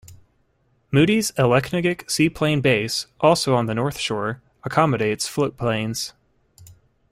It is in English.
Moody's Aleknagik Seaplane Base, also on the north shore, accommodates float planes.